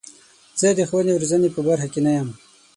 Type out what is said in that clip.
زه د ښوونې او روزنې په برخه کې نه یم.